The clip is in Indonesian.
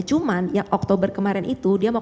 cuma yang oktober kemarin itu dia mau